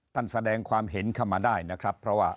แสดงความเห็นเข้ามาได้นะครับเพราะว่า